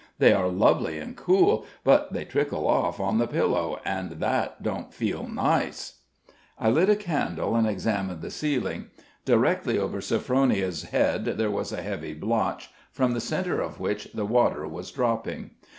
They are lovely and cool, but they trickle off on the pillow, and that don't feel nice." I lit a candle, and examined the ceiling; directly over Sophronia's head there was a heavy blotch, from the centre of which the water was dropping.